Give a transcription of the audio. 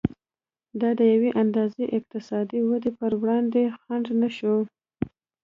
دا د یوې اندازې اقتصادي ودې پر وړاندې خنډ نه شو.